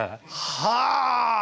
はあ。